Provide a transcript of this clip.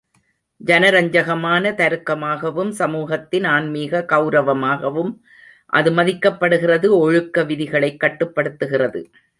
ஜனரஞ்சகமான தருக்கமாகவும், சமூகத்தின் ஆன்மீக கெளரவமாகவும் அது மதிக்கப்படுகிறது, ஒழுக்க விதிகளைக் கட்டுப்படுத்துகிறது.